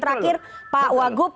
terakhir pak wagub